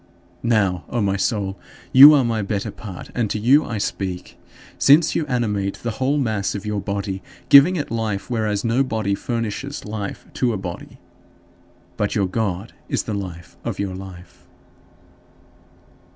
Now, O my soul, you are my better part, and to you I speak; since you animate the whole mass of your body, giving it life, whereas no body furnishes life to a body. But your God is the life of your life.